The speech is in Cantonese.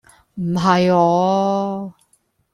唔係啊